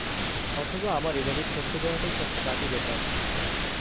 অথবা আমার এভাবে থমকে যাওয়াটাই সবচেয়ে বাজে ব্যাপার।